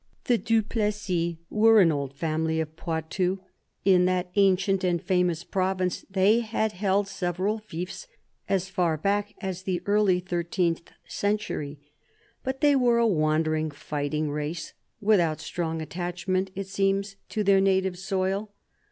The Du Plessis were an old family of Poitou. In that ancient and famous province they had held several fiefs so far back as the early thirteenth century ; but they were a wandering, fighting race, without strong attachment, it seems, to their native soil.